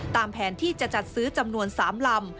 แผนที่จะจัดซื้อจำนวน๓ลำ